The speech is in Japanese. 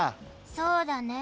そうだね。